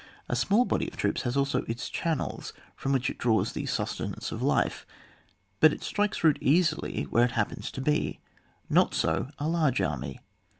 A small body of troops has also its channels, from which it draws the sustenance of life, but it strikes root easily where it happens to be ; not so a large army.